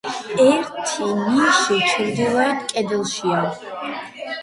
ერთი ნიში ჩრდილოეთ კედელშია.